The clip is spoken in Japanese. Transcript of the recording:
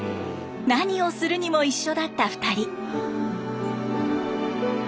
何をするにも一緒だった２人。